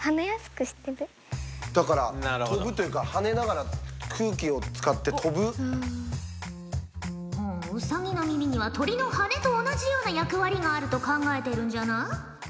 だから飛ぶというか跳ねながらほうウサギの耳には鳥の羽と同じような役割があると考えてるんじゃな？